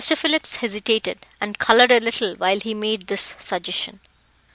Phillips hesitated, and coloured a little while he made this suggestion.